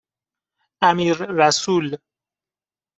امیررسول